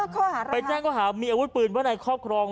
ข้อหาอะไรไปแจ้งข้อหามีอาวุธปืนไว้ในครอบครอง